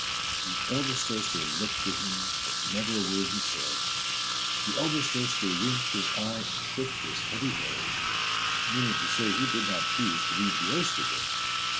The eldest Oyster looked at him. Â Â Â Â But never a word he said: The eldest Oyster winked his eye, Â Â Â Â And shook his heavy head— Meaning to say he did not choose Â Â Â Â To leave the oyster bed.